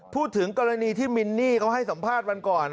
พูดถึงกรณีที่มินนี่เขาให้สัมภาษณ์วันก่อน